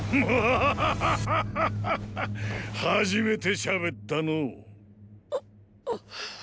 初めてしゃべったのう。っ！